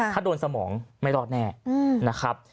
ถ้าโดนสมองไม่รอดแน่นะครับ